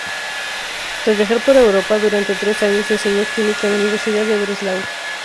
Tras viajar por Europa durante tres años, enseñó química en la universidad de Breslau.